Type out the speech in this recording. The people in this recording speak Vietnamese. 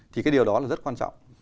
thì cái điều đó là rất quan trọng